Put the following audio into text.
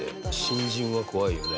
新人は怖いよね。